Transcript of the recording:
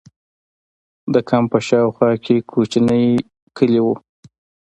د کمپ په شا او خوا کې کوچنۍ کلي وو.